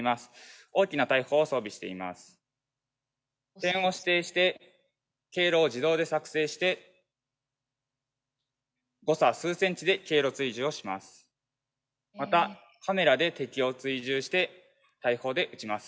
点を指定して経路を自動で作成して誤差数ｃｍで経路追従をします。